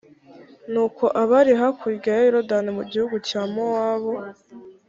nuko, bari hakurya ya yorudani mu gihugu cya mowabu